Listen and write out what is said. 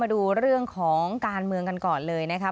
ดูเรื่องของการเมืองกันก่อนเลยนะครับ